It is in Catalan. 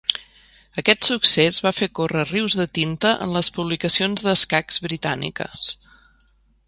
Aquest succés va fer córrer rius de tinta en les publicacions d'escacs britàniques.